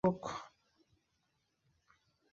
সৈকতে লাল ছাতার নিচে বসে কালো পোশাক পরা একজন লোক।